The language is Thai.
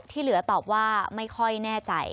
เหลือตอบว่าไม่ค่อยแน่ใจ